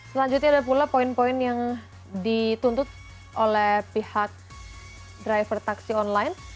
selanjutnya ada pula poin poin yang dituntut oleh pihak driver taksi online